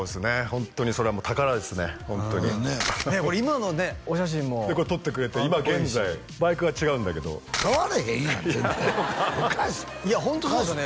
ホントにそれは宝ですねホントにこれ今のねお写真もこれ撮ってくれて今現在バイクは違うんだけど変われへんやん全然いやホントそうですよね